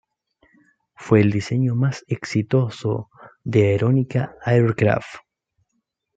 Fue el diseño más exitoso de Aeronca Aircraft.